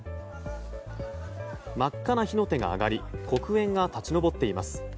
真っ赤な火の手が上がり黒煙が立ち上っています。